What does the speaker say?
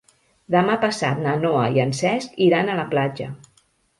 Demà passat na Noa i en Cesc iran a la platja.